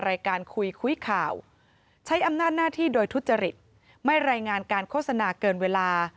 รายการคุยคุยข่าวใช้อำนาจหน้าที่โดยทุจริตไม่รายงานการโฆษณาเกินเวลา